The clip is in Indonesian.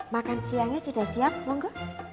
makan siangnya sudah siap monggo